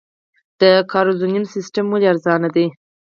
د کاریزونو سیستم ولې ارزانه دی؟